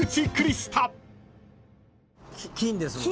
金ですもんね。